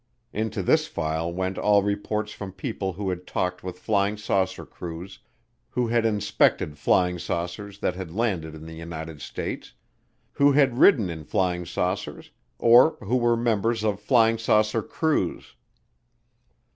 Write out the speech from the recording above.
Into this file went all reports from people who had talked with flying saucer crews, who had inspected flying saucers that had landed in the United States, who had ridden in flying saucers, or who were members of flying saucer crews.